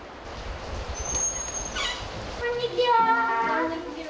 こんにちは。